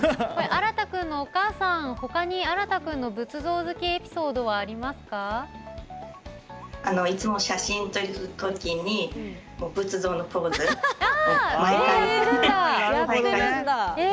あらたくんのお母さんは他にあらたくんの仏像好きエピソードはいつも写真を撮る時に仏像のポーズ、毎回。